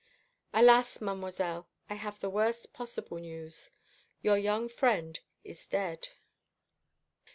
"Alas, Mademoiselle, I have the worst possible news. Your young friend is dead."